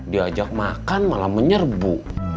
diajak makan malah menyerbu